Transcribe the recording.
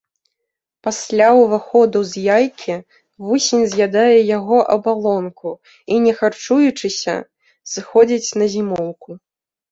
Пасля ўваходу з яйкі вусень з'ядае яго абалонку, і не харчуючыся, сыходзіць на зімоўку.